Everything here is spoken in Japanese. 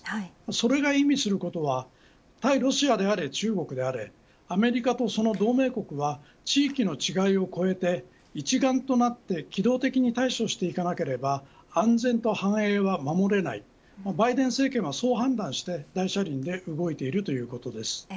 それが意味することは対ロシアであれ中国であれアメリカとその同盟国は地域の違いを超えて一丸となって機動的に対処していかなければ安全と繁栄は守れないバイデン政権はそう判断して大車輪で動いているということです。